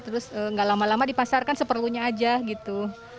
terus nggak lama lama dipasarkan seperlunya aja gitu